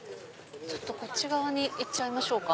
こっち側に行っちゃいましょうか。